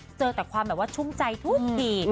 เจอแต่ความชุ่มใจทุกที